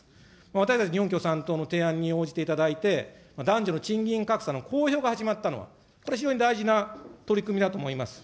私たち日本共産党の提案に応じていただいて、男女の賃金格差の公表が始まったのは、これ、非常に大事な取り組みだと思います。